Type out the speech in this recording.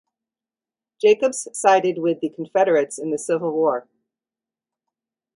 Jacobs sided with the Confederates in the Civil War.